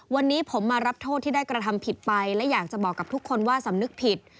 วันนี้ผมมารับโทษที่ได้กระทำผิดไปและอยากจะบอกกับทุกคนว่าสำนึกผิด